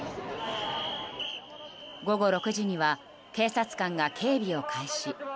午後６時には警察官が警備を開始。